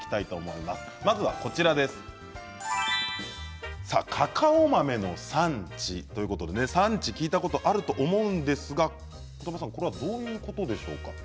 まずはカカオ豆の産地ということで産地聞いたことあると思うんですがどういうことですか。